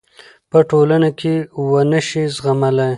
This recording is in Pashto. پـه ټـولـنـه کـې ونشـي زغـملـى .